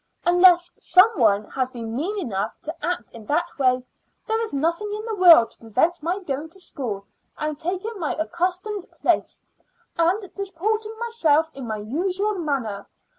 Unless some one has been mean enough to act in that way, there is nothing in the world to prevent my going to school, and taking my accustomed place, and disporting myself in my usual manner.